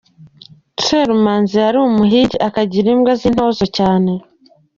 Se Rumanzi yari umuhigi, akagira imbwa z’intozo cyane.